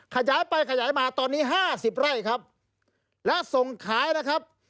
ขยายไปขยายมาตอนนี้ห้าสิบไร่ครับและส่งขายนะครับ